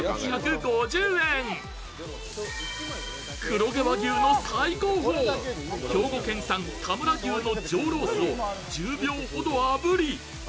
黒毛和牛の最高峰、兵庫県産・田村牛の上ロースを１０秒ほどあぶり